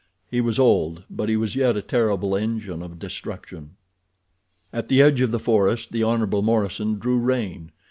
He was old; but he was yet a terrible engine of destruction. At the edge of the forest the Hon. Morison drew rein.